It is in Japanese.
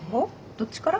どっちから？